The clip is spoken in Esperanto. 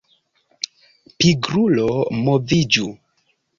Pigrulo moviĝu!